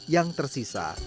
yang tersisa di jawa